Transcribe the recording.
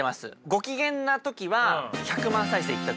ご機嫌な時は１００万再生いった時。